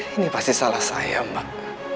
ini pasti salah saya mbak